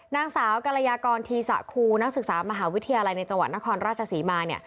นางสาวกรยากรธีสะครูนักศึกษามหาวิทยาลัยในจังหวัดนครราชศรีมา